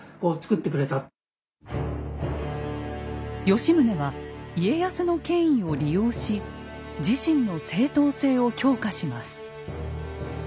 吉宗は家康の権威を利用し自身の正統性を強化します。